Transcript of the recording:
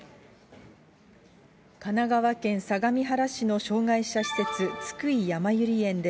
神奈川県相模原市の障がい者施設、津久井やまゆり園で、